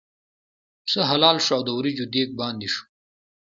پسه حلال شو او د وریجو دېګ باندې شو.